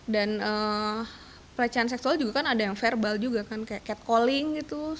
pelecehan seksual juga kan ada yang verbal juga kan kayak cat calling gitu